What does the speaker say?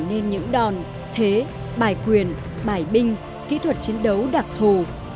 nên những đòn thế bài quyền bài binh kỹ thuật chiến đấu đặc thù